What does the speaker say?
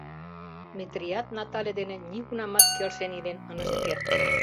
Метрият Натале дене нигунамат келшен илен ынышт керт.